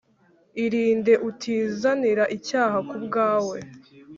irinde utizanira icyaha ku bwawe